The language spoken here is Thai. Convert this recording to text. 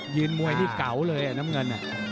มวยนี่เก๋าเลยน้ำเงิน